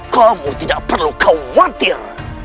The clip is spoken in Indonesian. kamu tidak perlu khawatir